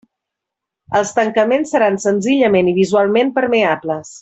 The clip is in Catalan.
Els tancaments seran senzillament i visualment permeables.